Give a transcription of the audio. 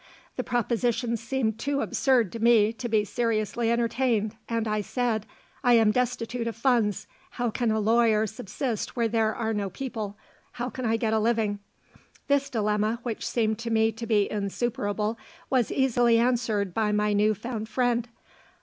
The proposition seemed too absurd to me to be seriously entertained, and I said: "I am destitute of funds, and how can a lawyer subsist where there are no people? How can I get a living?" This dilemma, which seemed to me to be insuperable, was easily answered by my new found friend.